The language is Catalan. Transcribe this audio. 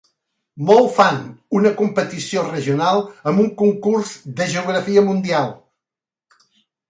Molt fan una competició regional amb un concurs de geografia mundial.